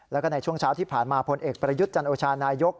แล้วก็ในช่วงเช้าที่ผ่านมาพลเอกประยุทธ์จันโอชานายก